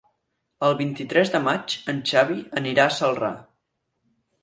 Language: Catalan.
El vint-i-tres de maig en Xavi anirà a Celrà.